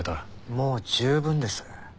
もう十分です。